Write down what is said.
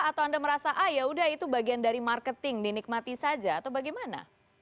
atau anda merasa ah yaudah itu bagian dari marketing dinikmati saja atau bagaimana